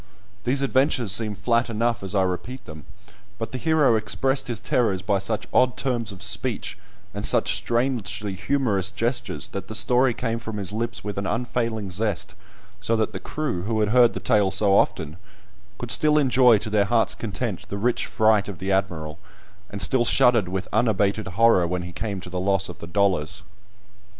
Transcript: These adventures seem flat enough as I repeat them, but the hero expressed his terrors by such odd terms of speech, and such strangely humorous gestures, that the story came from his lips with an unfailing zest, so that the crew, who had heard the tale so often, could still enjoy to their hearts' content the rich fright of the Admiral, and still shuddered with unabated horror when he came to the loss of the dollars.